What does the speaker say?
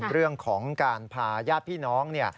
เรื่องของการพาญาติพี่น้อง